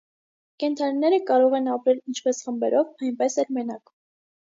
Կենդանիները կարող են ապրել ինչպես խմբերով, այնպես էլ մենակ։